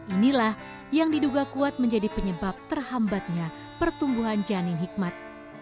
inilah yang diduga kuat menjadi penyebab terhambatnya pertumbuhan janin hikmat